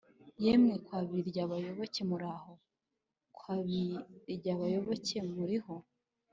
yemwe kwa biryabayoboke muraho? kwa biryabayoboke muriho?